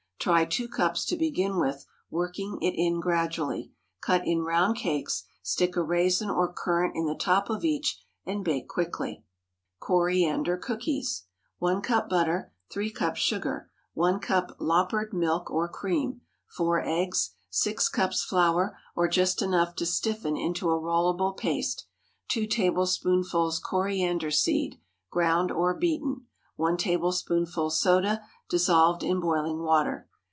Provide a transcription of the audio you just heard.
Try two cups to begin with, working it in gradually. Cut in round cakes, stick a raisin or currant in the top of each, and bake quickly. CORIANDER COOKIES. ✠ 1 cup butter. 3 cups sugar. 1 cup "loppered" milk or cream. 4 eggs. 6 cups flour, or just enough to stiffen into a rollable paste. 2 tablespoonfuls coriander seed (ground or beaten). 1 tablespoonful soda, dissolved in boiling water.